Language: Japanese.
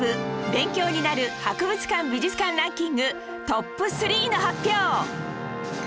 勉強になる博物館・美術館ランキングトップ３の発表